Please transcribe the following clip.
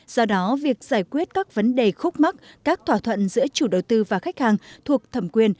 do đó việc giải quyết các vấn đề khúc mắc các thỏa thuận giữa chủ đầu tư và khách hàng thuộc thẩm quyền